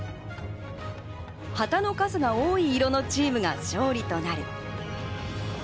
旗の数が多い色のチームが勝利となる。